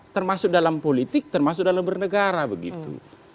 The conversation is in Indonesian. termasuk dalam politik termasuk dalam bernegara begitu